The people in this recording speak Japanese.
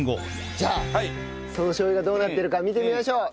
じゃあそのしょう油がどうなってるか見てみましょう。